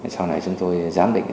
sau này chúng tôi dám định